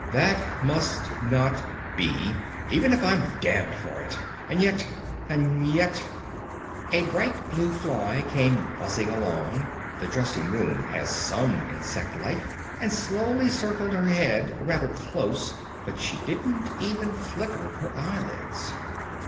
That must not be, even if I'm damned for it! And yet ... and yet...." A bright blue fly came buzzing along (the dressing room has some insect life) and slowly circled her head rather close, but she didn't even flicker her eyelids.